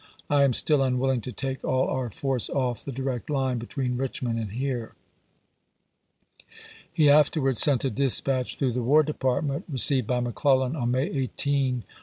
I am still unwilling to take all our £ylf^^i force off the direct line between Richmond and here. w. k Part IIL, He afterwards sent a dispatch through the War p ^'^'•^^ Department, received by McClellan on May 18, of isea.